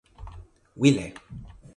wile.